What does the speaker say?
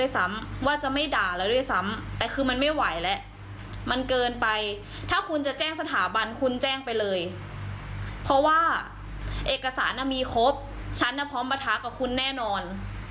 สาระมีครบฉันน่ะพร้อมมาท้ากับคุณแน่นอน